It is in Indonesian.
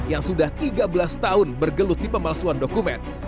yang sudah tiga belas tahun bergelut di pemalsuan dokumen